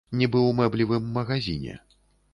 Нібы ў мэблевым магазіне.